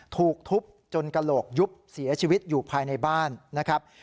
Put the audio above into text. ถูกทุบจนกระโหลกยุบเสียชีวิตอยู่ภายในบ้านนะครับ